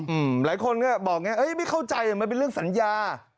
หลายคนบอกแบบนี้ไม่เข้าใจมันเป็นเรื่องสัญญา